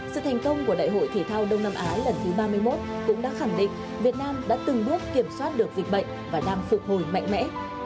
sự thành công của đại hội thể thao đông nam á lần thứ ba mươi một cũng đã khẳng định việt nam đã từng bước kiểm soát được dịch bệnh và đang phục hồi mạnh mẽ